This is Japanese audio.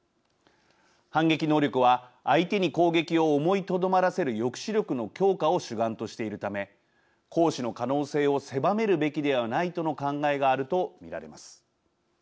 反撃能力は相手に攻撃を思いとどまらせる抑止力の強化を主眼としているため行使の可能性を狭めるべきではないとの考えがあると見られます。